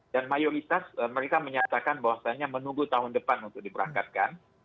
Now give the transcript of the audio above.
dan mayoritas mereka menyatakan bahwasannya menunggu tahun depan untuk diberangkatkan